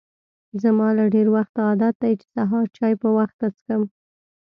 زما له ډېر وخته عادت دی چې سهار چای په وخته څښم.